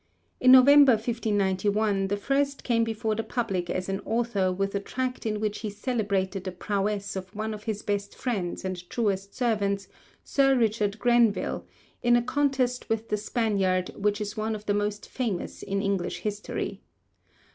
In November 1591 he first came before the public as an author with a tract in which he celebrated the prowess of one of his best friends and truest servants, Sir Richard Grenville, in a contest with the Spaniard which is one of the most famous in English history.